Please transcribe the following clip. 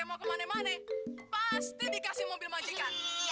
walang lu sama pak lu